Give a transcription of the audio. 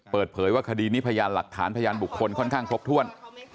เปิดเผยว่าคดีนี้พยานหลักฐานพยานบุคคลค่อนข้างครบถ้วน